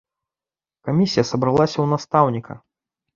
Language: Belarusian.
Камісія сабралася ў настаўніка.